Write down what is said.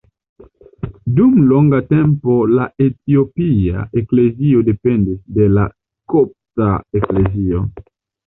Dum longa tempo la Etiopia Eklezio dependis de la Kopta Eklezio.